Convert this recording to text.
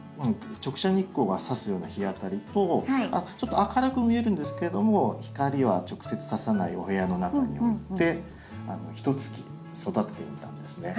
直射日光がさすような日当たりとちょっと明るく見えるんですけれども光は直接ささないお部屋の中に置いてひとつき育ててみたんですね。